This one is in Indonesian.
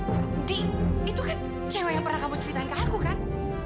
nanti itu kan cewek yang pernah kamu ceritain ke aku kan